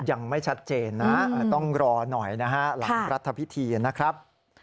ยังไม่ชัดเจนนะต้องรอหน่อยนะฮะหลังรัฐพิธีนะครับ